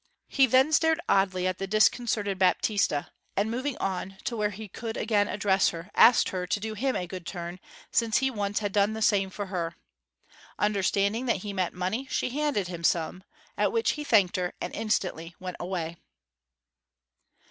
He then stared oddly at the disconcerted Baptista, and moving on to where he could again address her, asked her to do him a good turn, since he once had done the same for her. Understanding that he meant money, she handed him some, at which he thanked her, and instantly went away.